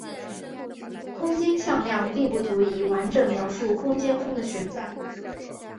空间向量并不足以完整描述空间中的旋转。